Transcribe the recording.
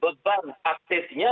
beban aktifnya beban aktifnya